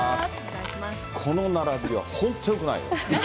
この並びは本当よくないよ。